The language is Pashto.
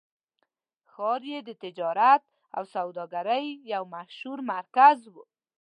ښار یې د تجارت او سوداګرۍ یو مشهور مرکز و.